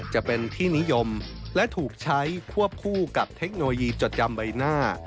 จะเป็นที่นิยมและถูกใช้ควบคู่กับเทคโนโลยีจดจำใบหน้า